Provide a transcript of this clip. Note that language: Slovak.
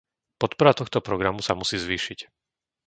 Podpora tohto programu sa musí zvýšiť.